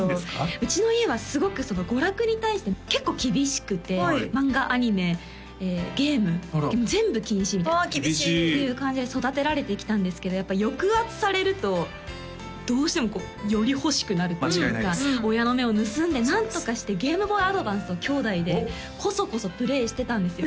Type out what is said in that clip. うちの家はすごく娯楽に対して結構厳しくて漫画アニメゲーム全部禁止みたいな厳しいという感じで育てられてきたんですけどやっぱ抑圧されるとどうしてもこうより欲しくなるっていうか親の目を盗んで何とかしてゲームボーイアドバンスをきょうだいでこそこそプレイしてたんですよ